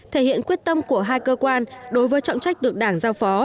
thể hiện quyết tâm của hai cơ quan đối với trọng trách được đảng giao phó